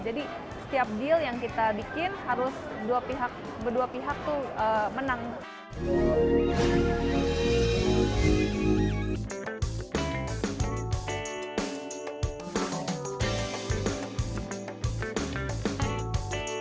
jadi setiap deal yang kita bikin harus berdua pihak tuh menang